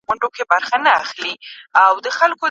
هر سړي ورته ویله په زړه سخته